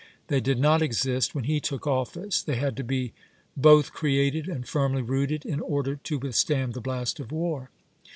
They did not exist when he took office; they had to be both created and firmly rooted in order to withstand the blast of war.